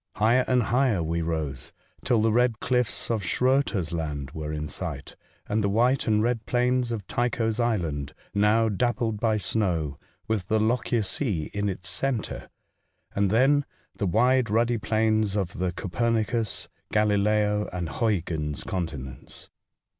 Higher and higher we rose, till the red cliffs of Schroeter's land were in sight, and the white and red plains of Tycho's Island now dappled by snow, with the Lockyer Sea in its centre, and then the wide ruddy plains of the Copernicus, Galileo, and Huyghens' continents.